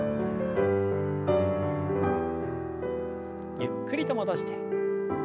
ゆっくりと戻して。